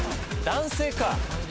男性か。